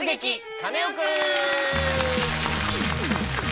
カネオくん」！